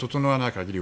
限り